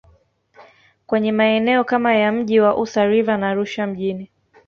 kwenye maeneo kama ya mji wa Usa River na Arusha mjini